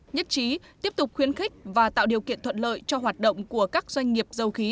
nhất trí tiếp tục khuyến khích và tạo điều kiện thuận lợi cho hoạt động của các doanh nghiệp dầu khí